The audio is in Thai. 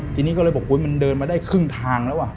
ทีนี้ก็เลยบอกอุ๊ยมันเดินมาได้ครึ่งทางแล้วว่ะ